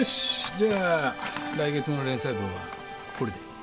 じゃあ来月の連載分はこれで。